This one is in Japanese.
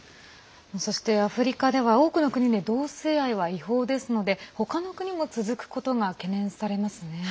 そして、アフリカでは多くの国で同性愛は違法ですので他の国も続くことが懸念されますね。